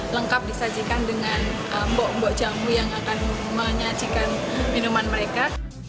lengkap disajikan dengan mbok mbok jamu yang akan menyajikan minuman mereka